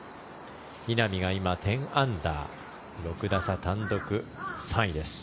稲見が今１０アンダー６打差、単独３位です。